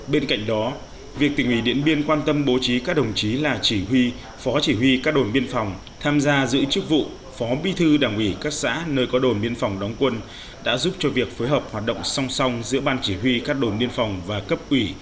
bên cạnh đó việc tỉnh ủy điện biên quan tâm bố trí các đồng chí là chỉ huy phó chỉ huy các đồn biên phòng tham gia giữ chức vụ phó bi thư đảng ủy các xã nơi có đồn biên phòng đóng quân đã giúp cho việc phối hợp hoạt động song song giữa ban chỉ huy các đồn biên phòng và cấp ủy